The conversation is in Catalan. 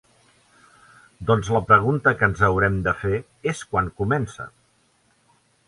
Doncs la pregunta que ens haurem de fer és quan comença.